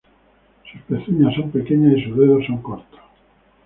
Sus pezuñas son pequeñas y sus dedos son cortos.